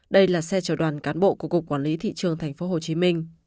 đây là xe chở đoàn cán bộ của cục quản lý thị trường tp hcm